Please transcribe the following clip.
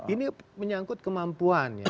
ini menyangkut kemampuannya